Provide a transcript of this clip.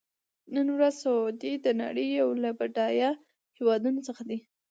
نن ورځ سعودي د نړۍ یو له بډایه هېوادونو څخه دی.